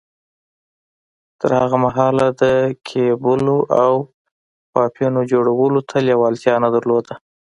تر هغه مهاله ده د کېبلو او پايپونو جوړولو ته لېوالتيا نه درلوده.